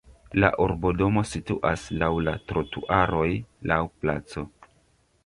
La urbodomo situas laŭ la trotuaroj laŭ placo.